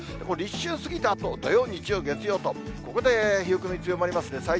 この立春過ぎたあと、土曜、日曜、月曜と、ここで冷え込み強まりますね。